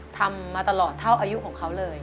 ทำมาตลอดเท่าอายุของเขาเลย